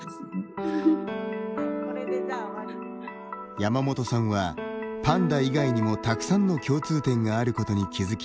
山本さんは、パンダ以外にもたくさんの共通点があることに気付き